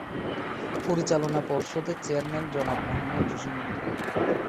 পরিচালনা পর্ষদের চেয়ারম্যান জনাব মোহাম্মদ জসিম উদ্দিন।